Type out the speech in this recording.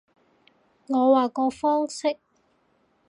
我話個方式